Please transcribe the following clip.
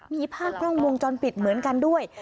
มีภาพกล้องวงจรปิดเหมือนกันด้วย